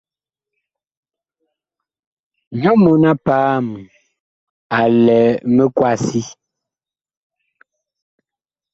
Nyɔ mɔɔn-a-paam a lɛ mikwasi.